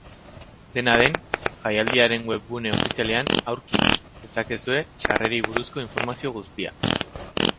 Dena den, jaialdiaren webgune ofizialean aurki dezakezue sarrerei buruzko informazio guztia.